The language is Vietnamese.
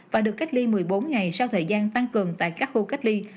và được cách ly một mươi bốn ngày sau thời gian tăng cường tại các khu cách ly